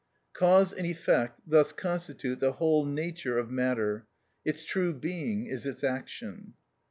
Cause and effect thus constitute the whole nature of matter; its true being is its action.